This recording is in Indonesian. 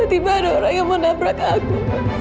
tidak aku tidak mau berhenti